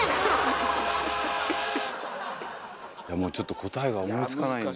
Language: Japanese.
もうちょっと答えが思いつかないんで。